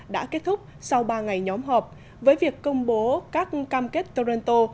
đã kết thúc sau ba ngày nhóm họp với việc công bố các cam kết toronto